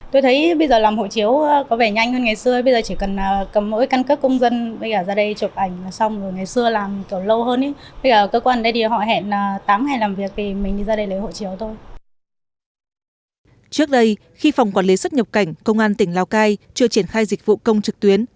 trước đây khi phòng quản lý xuất nhập cảnh công an tỉnh lào cai chưa triển khai dịch vụ công trực tuyến